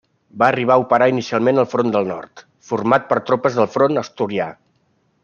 Va arribar a operar inicialment al front del Nord, format per tropes del front asturià.